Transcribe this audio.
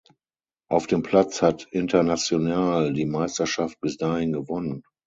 Auf dem Platz hat Internacional die Meisterschaft bis dahin gewonnen.